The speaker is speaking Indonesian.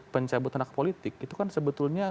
pencabut anak politik itu kan sebetulnya